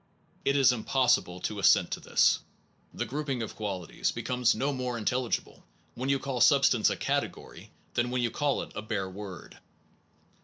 2 It is impossible to .assent to this. The grouping of qualities be comes no more intelligible when you call sub stance a category than when you call it a bare word.